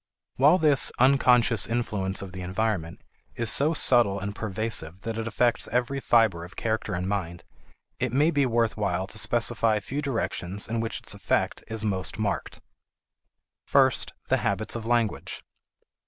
While this "unconscious influence of the environment" is so subtle and pervasive that it affects every fiber of character and mind, it may be worth while to specify a few directions in which its effect is most marked. First, the habits of language.